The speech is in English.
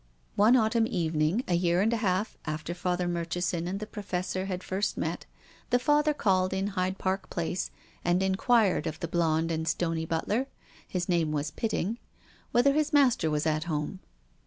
One Autumn evening, a year and a half after Father Murchison and the Professor had first met, the Father called in Hyde Park Place and enquired of the blond and stony butler — his name was Pitting — whether his master was at home.